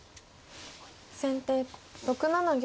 先手６七玉。